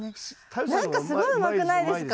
何かすごいうまくないですか？